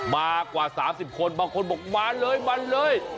มากว่า๓๐คนบางคนบอกมาเลยมาเลย